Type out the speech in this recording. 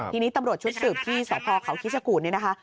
ทีนี้ตำรวจชุดสืบที่สพเขาคิชกูลเนี่ยนะคะ